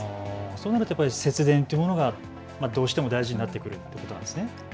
そうなると節電というものがどうしても大事になってくるということなんですね。